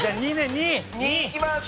２いきます！